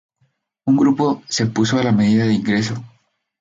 Un grupo se puso a la medida e ingresó al Partido Social Cristiano.